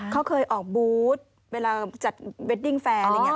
เขาเคยออกบูธเวลาจัดเวดดิ้งแฟร์อะไรอย่างนี้